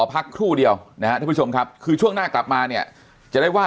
พักครู่เดียวนะครับท่านผู้ชมครับคือช่วงหน้ากลับมาเนี่ยจะได้ว่า